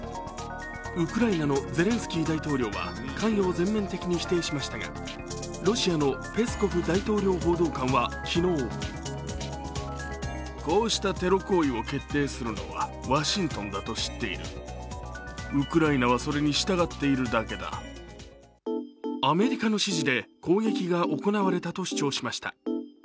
ウクライナのゼレンスキー大統領は関与を全面的に否定しましたがロシアのペスコフ大統領報道官は昨日アメリカの指示で攻撃が行われた主張しました。